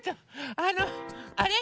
あのあれ？